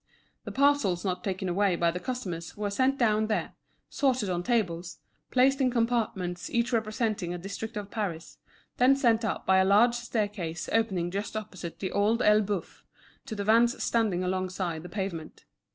The parcels not taken away by the customers were sent down there, sorted on tables, placed in compartments each representing a district of Paris; then sent up by a large staircase opening just opposite The Old Elbeuf, to the vans standing alongside the pavement.